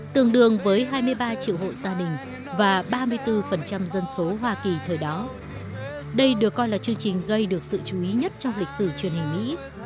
tương đương với hai mươi ba triệu hộ gia đình và ba mươi bốn dân số hoa kỳ thời đó đây được coi là chương trình gây được sự chú ý nhất trong lịch sử truyền hình mỹ